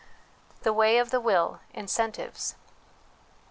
The Way of the Will Incentives.